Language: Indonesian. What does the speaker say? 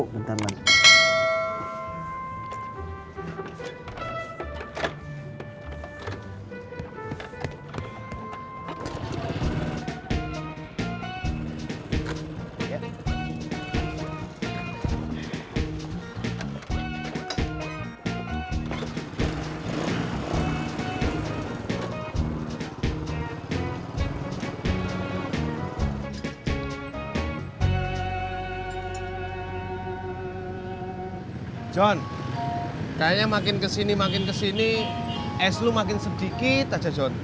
john kayaknya makin kesini makin kesini es lu makin sedikit aja john